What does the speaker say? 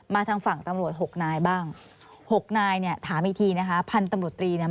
ทางฝั่งตำรวจหกนายบ้างหกนายเนี่ยถามอีกทีนะคะพันธุ์ตำรวจตรีเนี่ย